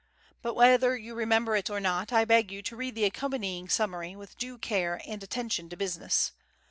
But whether you remember it or not, I beg you to read the accompanying summary with due care and attention to business.